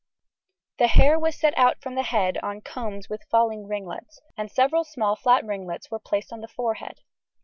The hair was set out from the head on combs with falling ringlets, and several small flat ringlets were placed on the forehead.